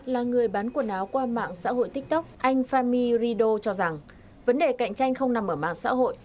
là người bán quần áo qua mạng xã hội tiktok anh fami rido cho rằng vấn đề cạnh tranh không nằm ở mạng xã hội